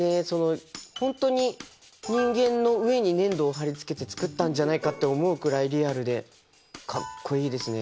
本当に人間の上に粘土を貼り付けて作ったんじゃないかって思うくらいリアルでかっこいいですね。